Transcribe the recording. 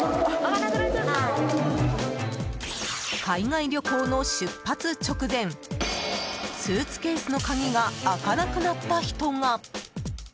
海外旅行の出発直前スーツケースの鍵が開かなくなった人が。